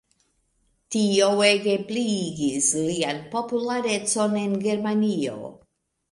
Tio ege pliigis lian popularecon en Germanio.